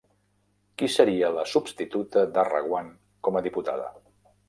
Qui seria la substituta de Reguant com a diputada?